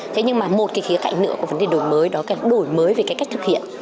thế nhưng mà một cái khía cạnh nữa của vấn đề đổi mới đó là đổi mới về cái cách thực hiện